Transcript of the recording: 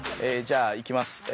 じゃあいきます。